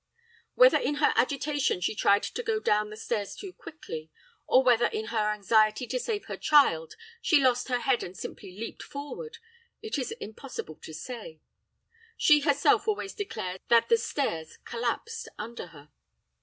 Whether in her agitation she tried to go down the stairs too quickly, or whether in her anxiety to save her child she lost her head and simply leaped forward, it is impossible to say; she herself always declares that the stairs 'collapsed' under her.